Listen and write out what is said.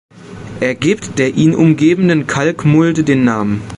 Er gibt der ihn umgebenden Kalkmulde den Namen.